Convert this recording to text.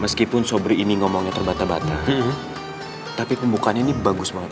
meskipun sobri ini ngomongnya terbata bata tapi pembukaannya ini bagus banget